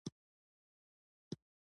د نړۍ د نامتو ادبي څیرو پېژندل څه ګټه لري.